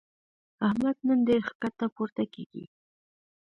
احمد نن ډېر ښکته پورته کېږي.